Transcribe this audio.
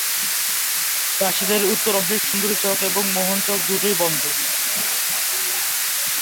প্রাসাদের উত্তর অংশের সুন্দরী চক এবং মোহন চক দুটোই বন্ধ।